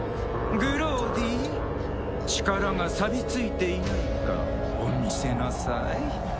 グローディ力がさびついていないかお見せなさい。